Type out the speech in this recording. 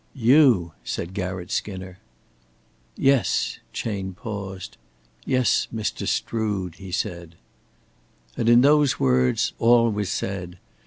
"You?" said Garratt Skinner. "Yes " Chayne paused. "Yes, Mr. Strood," he said. And in those words all was said.